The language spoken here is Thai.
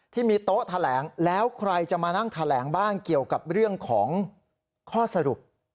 ที่มีโต๊ะแถลงแล้วใครจะมานั่งแถลงบ้างเกี่ยวกับเรื่องของข้อสรุป